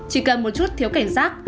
chỉ cần một chút thiếu cảnh giác